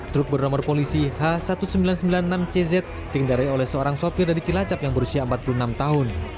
truk bernomor polisi h seribu sembilan ratus sembilan puluh enam cz dikendarai oleh seorang sopir dari cilacap yang berusia empat puluh enam tahun